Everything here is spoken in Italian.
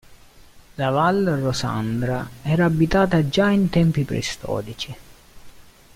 La Val Rosandra era abitata già in tempi preistorici.